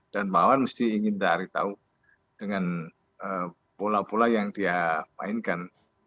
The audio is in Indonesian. dan lawan mesti ingin dari tahu dengan pola pola yang dia mainkan